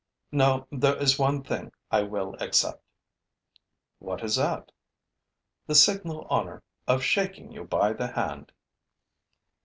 'No, there is one thing which I will accept.' 'What is that?' 'The signal honor of shaking you by the hand.'